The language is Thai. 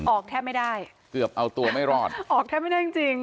ออกแทบไม่ได้เกือบเอาตัวไม่รอดออกแทบไม่ได้จริงจริง